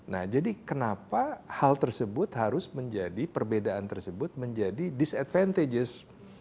nah jadi kenapa hal tersebut harus menjadi perbedaan tersebut menjadi dis advantages